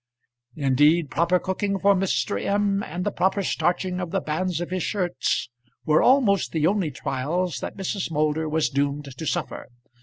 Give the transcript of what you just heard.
Indeed, proper cooking for Mr. M. and the proper starching of the bands of his shirts were almost the only trials that Mrs. Moulder was doomed to suffer.